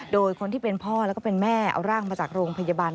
โดยคนที่เป็นพ่อแล้วก็เป็นแม่เอาร่างมาจากโรงพยาบาล